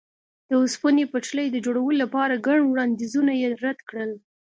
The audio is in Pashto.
د اوسپنې پټلۍ د جوړولو لپاره ګڼ وړاندیزونه یې رد کړل.